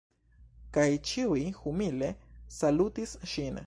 Kaj ĉiuj humile salutis ŝin.